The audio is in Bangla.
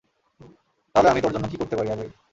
তাহলে আমি তোর জন্য কি করতে পারি, আভি?